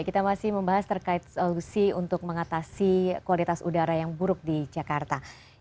kita masih membahas terkait solusi untuk mengatasi kualitas udara yang buruk di jakarta